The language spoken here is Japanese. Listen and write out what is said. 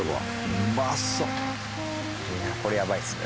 いやこれやばいですね。